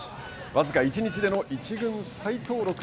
僅か１日での１軍再登録。